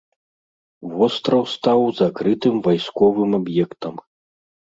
Востраў стаў закрытым вайсковым аб'ектам.